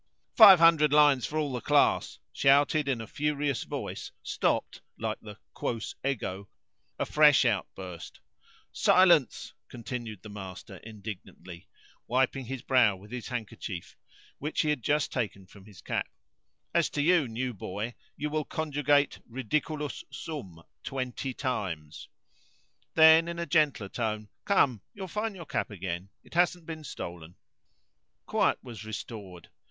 "Five hundred lines for all the class!" shouted in a furious voice stopped, like the Quos ego, a fresh outburst. "Silence!" continued the master indignantly, wiping his brow with his handkerchief, which he had just taken from his cap. "As to you, 'new boy,' you will conjugate 'ridiculus sum' twenty times." A quotation from the Aeneid signifying a threat. I am ridiculous. Then, in a gentler tone, "Come, you'll find your cap again; it hasn't been stolen." Quiet was restored.